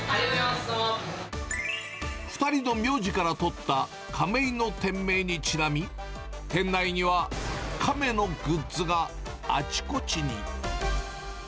２人の名字から取ったかめ囲の店名にちなみ、店内には亀のグッズがあちこちに。